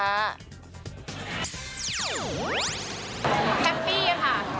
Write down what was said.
แฮปปี้ค่ะ